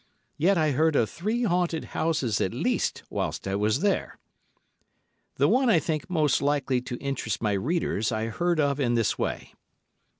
Yet I heard of three haunted houses at least whilst I was there. The one I think most likely to interest my readers I heard of in this way.